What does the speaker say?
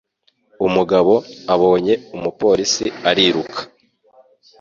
Umugabo abonye umupolisi ariruka